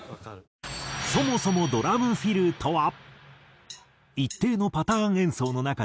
そもそもドラムフィルとは。